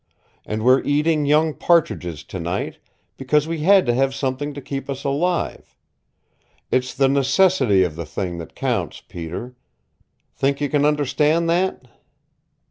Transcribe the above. And we're eating young partridges tonight, because we had to have something to keep us alive. It's the necessity of the thing that counts, Peter. Think you can understand that?"